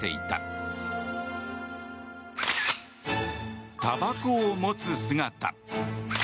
たばこを持つ姿。